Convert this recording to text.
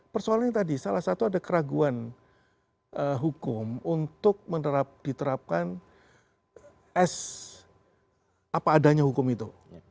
persoalan yang tadi salah satu ada keraguan hukum untuk diterapkan as apa adanya hukum itu